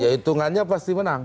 ya hitungannya pasti menang